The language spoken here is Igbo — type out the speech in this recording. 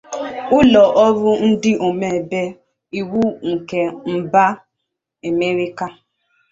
ụlọ ọrụ ndị omebe iwu nke mba Amerịka.